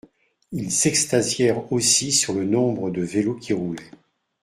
Ils s’extasièrent aussi sur le nombre de vélos qui roulaient